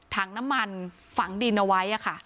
ถังน้ำมันฝังดินเอาไว้ค่ะ